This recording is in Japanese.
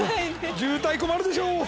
渋滞困るでしょ